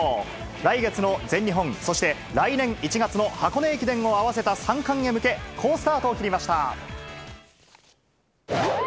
来月の全日本、そして来年１月の箱根駅伝を合わせた３冠へ向け、好スタートを切りました。